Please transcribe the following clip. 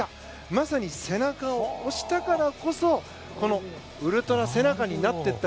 まさに背中を押したからこそこのウルトラ背中になっていった。